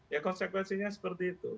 ya konsekuensinya seperti itu